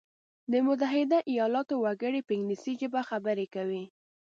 د متحده ایلاتو وګړي په انګلیسي ژبه خبري کوي.